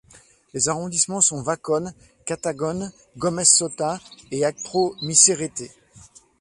Les arrondissements sont Vakon, Katagon, Gomè-Sota et Akpro-Missérété.